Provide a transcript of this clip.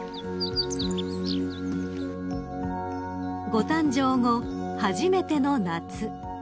［ご誕生後初めての夏］